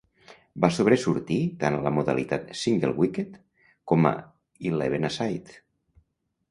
Va sobresortir tant a la modalitat "single wicket" com a "eleven-a-side".